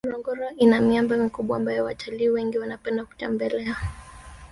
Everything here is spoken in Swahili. ngorongoro ina miamba mikubwa ambayo watalii wengi wanapenda kutembelea